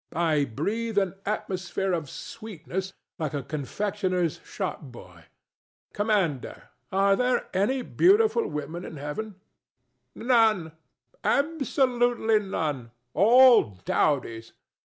I breathe an atmosphere of sweetness, like a confectioner's shopboy. Commander: are there any beautiful women in Heaven? THE STATUE. None. Absolutely none. All dowdies.